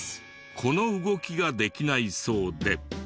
この動きができないそうで。